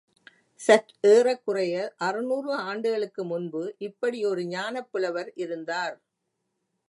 சற்றேறக்குறைய அறுநூறு ஆண்டுகளுக்கு முன்பு இப்படி ஒரு ஞானப் புலவர் இருந்தார்.